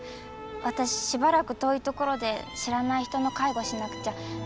私しばらく遠い所で知らない人の介護しなくちゃ。